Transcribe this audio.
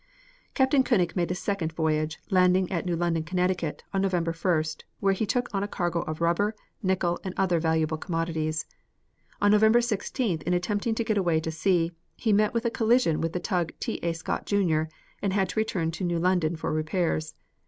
Captain Koenig made a second voyage, landing at New London, Connecticut, on November 1st, where he took on a cargo of rubber, nickel and other valuable commodities. On November 16th, in attempting to get away to sea, he met with a collision with the tug T. A. Scott, Jr., and had to return to New London for repairs.